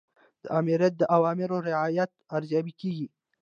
د آمریت د اوامرو رعایت ارزیابي کیږي.